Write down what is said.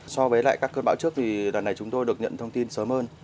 so với lại các cân bão trước thì lần này chúng tôi được nhận thông tin sớm hơn